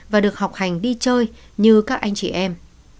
và được học hành đi chơi như các anh chị em